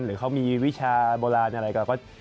หรือเขามีวิชาโบราณอะไร